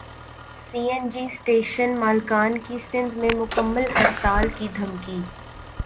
سی N G station مالکان کی سندھ میں مکمل ہڑتال کی دھمکی